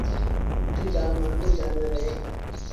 اُٺ جآم مآݩگو جآنور اهي